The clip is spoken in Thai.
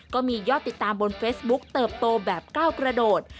ก็มียอดติดตามบนเฟซบุ๊คเติบโตแบบก้าวกระโดด